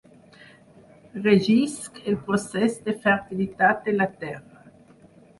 Regisc el procès de fertilitat de la terra.